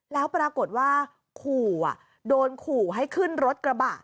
แล้วปรากฏว่าขู่โดนขู่ให้ขึ้นรถกระบะ